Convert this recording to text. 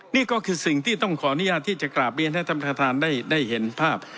นี่ก็คือสิ่งที่ต้องขออนุญาตที่จะกราบเรียนให้ท่านประธานได้เห็นภาพ